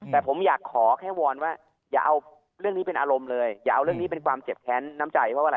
แต่ผมอยากขอแค่วอนว่า